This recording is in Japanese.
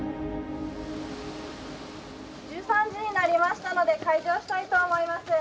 「１３時になりましたので開場したいと思います。